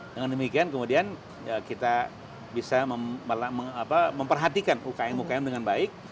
dengan demikian kemudian kita bisa memperhatikan ukm ukm dengan baik